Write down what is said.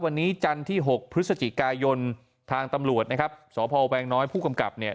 วันนี้จันทร์ที่๖พฤศจิกายนทางตำรวจนะครับสพแวงน้อยผู้กำกับเนี่ย